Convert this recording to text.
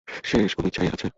শেষ কোনও ইচ্ছা আছে?